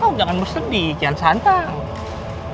kau jangan bersedih jangan santang